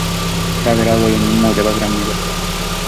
সাহেবের আলগা ইউনিয়ন মৌজা/গ্রাম নিয়ে গঠিত।